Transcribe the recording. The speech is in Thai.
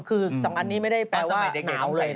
คือสองอันนี้ไม่ได้แปลว่าหนาวเลยนะ